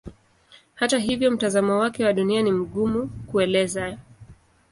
Hata hivyo mtazamo wake wa Dunia ni mgumu kuelezea.